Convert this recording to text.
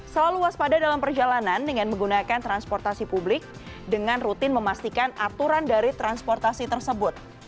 selalu waspada dalam perjalanan dengan menggunakan transportasi publik dengan rutin memastikan aturan dari transportasi tersebut